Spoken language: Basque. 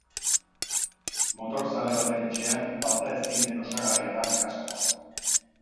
Motorzale baten etxean falta ezin den osagarria da kaskoa.